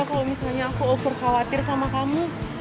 kalau misalnya aku over khawatir sama kamu